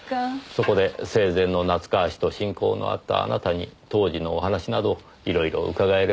そこで生前の夏河氏と親交のあったあなたに当時のお話など色々伺えればと思いまして。